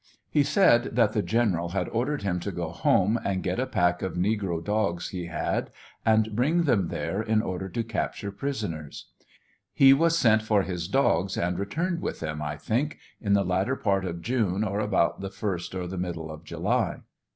He said that the general had ordered him to go home and get a pacli of negro dogs he had and bring them there, in order to capture prisoners He was sent for his dogs and returned with them, I think, in the latter part of June or about the 1st or the middle of July."